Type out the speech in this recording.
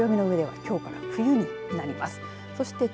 暦の上ではきょうから冬になります。